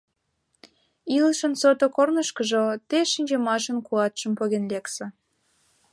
Илышын сото корнышкыжо те шинчымашын куатшым поген лекса.